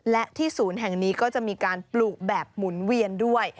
และที่ศูนย์แห่งนี้ก็จะมีการปลูกแบบหมุนเวียนด้วย